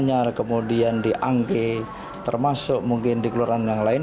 anyar kemudian di angke termasuk mungkin di kelurahan yang lain